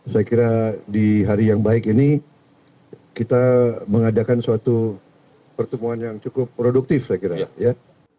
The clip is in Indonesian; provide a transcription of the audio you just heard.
saya kira di hari yang baik ini kita mengadakan suatu pertemuan yang cukup produktif saya kira ya